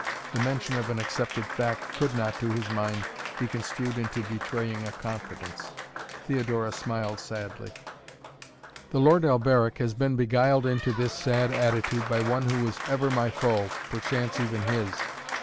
The mention of an accepted fact could not, to his mind, be construed into betraying a confidence. Theodora smiled sadly. "The Lord Alberic has been beguiled into this sad attitude by one who was ever my foe, perchance, even his.